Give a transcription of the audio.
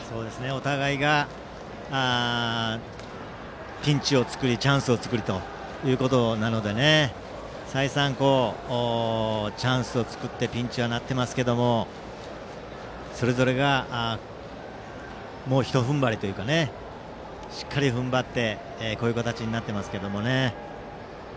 お互いがピンチを作りチャンスを作りということで再三、チャンスを作ってピンチにもなっていますがそれぞれがもう一踏ん張りというかしっかり踏ん張って、こういう形になっていますけどね。